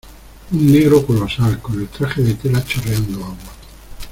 un negro colosal, con el traje de tela chorreando agua